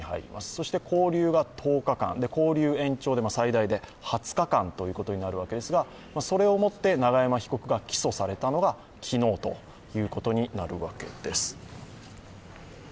そして勾留が１０日間、勾留延長で最大で２０日間ということになるわけですが、それをもって永山被告が起訴されたのが昨日ということになるわけです。